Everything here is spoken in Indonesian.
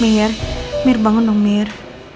mir mir bangun dong mir